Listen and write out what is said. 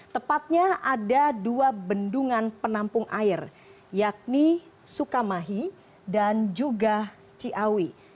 tepatnya ada dua bendungan penampung air yakni sukamahi dan juga ciawi